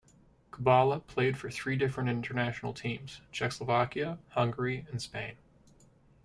Kubala played for three different international teams - Czechoslovakia, Hungary and Spain.